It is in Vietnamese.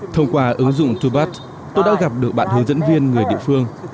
thông qua ứng dụng tourbud tôi đã gặp được bạn hướng dẫn viên người địa phương